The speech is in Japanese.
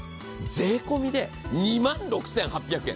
税込みで２万６８００円。